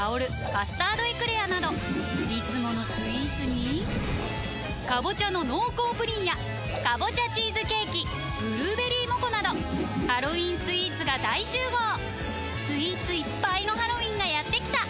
「カスタードエクレア」などいつものスイーツに「かぼちゃの濃厚プリン」や「かぼちゃチーズケーキ」「ぶるーべりーもこ」などハロウィンスイーツが大集合スイーツいっぱいのハロウィンがやってきた！